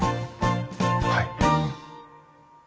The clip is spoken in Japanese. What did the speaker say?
はい。